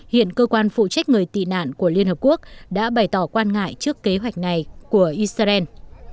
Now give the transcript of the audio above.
hiện cơ quan phụ trách người tị nạn của liên hợp quốc đã bày tỏ quan ngại trước kế hoạch này của israel